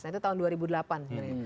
nah itu tahun dua ribu delapan sebenarnya